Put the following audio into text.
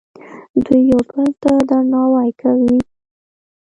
دوی یو بل ته درناوی کوي.